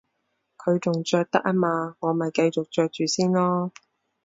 佢仲着得吖嘛，我咪繼續着住先囉